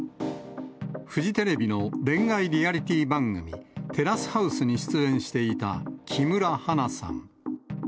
フジテレビの恋愛リアリティー番組、テラスハウスに出演していた木村花さん。